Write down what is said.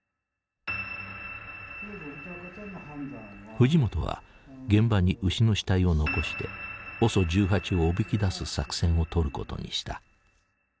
藤本は現場に牛の死体を残してＯＳＯ１８をおびき出す作戦を取ることにした。